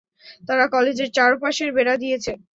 তারা কলেজের চারপাশে বেড়া দিয়েছে।